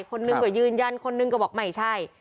คนหนึ่งก็ยืนยันคนนึงก็บอกไม่ใช่